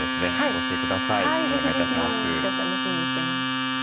今日楽しみにしてます。